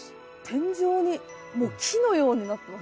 天井にもう木のようになってます。